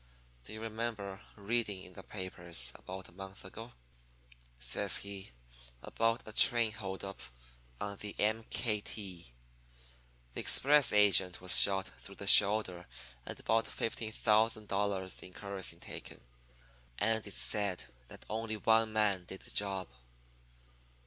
"'Do you remember reading in the papers, about a month ago,' says he, 'about a train hold up on the M. K. & T.? The express agent was shot through the shoulder and about $15,000 in currency taken. And it's said that only one man did the job.'